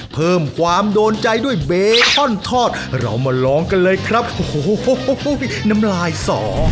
เพิ่มความโดนใจด้วยเบคอนทอดเรามาลองกันเลยครับโอ้โหน้ำลายสอ